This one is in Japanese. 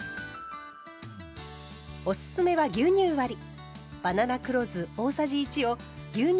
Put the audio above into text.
おすすめは牛乳割り。